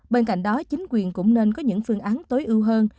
trong cảnh đó chính quyền cũng nên có những phương án tối ưu hơn